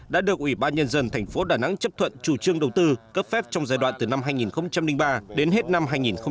đã được ủy ban nhân dân thành phố đà nẵng chấp thuận chủ trương đầu tư cấp phép trong giai đoạn từ năm hai nghìn ba đến hết năm hai nghìn một mươi